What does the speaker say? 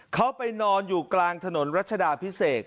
เขาไปนอนอยู่กลางถนนรัชดาพิเศษ